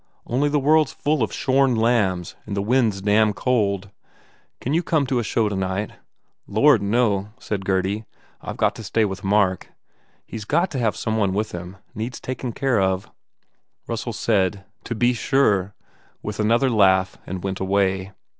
Only the world s full of shorn lambs and the wind s damned cold. ... Can you come to a show tonight?" "Lord, no," said Gurdy, "I ve got to stay with Mark. He s got to have some one with him. Needs taking care of " Russell said, "To be sure," with another laugh and went away.